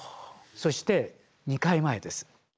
そして２回前です。